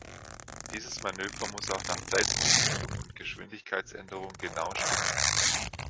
Dieses Manöver muss auch nach Zeitpunkt, Richtung und Geschwindigkeitsänderung genau stimmen.